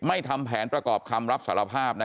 ทำแผนประกอบคำรับสารภาพ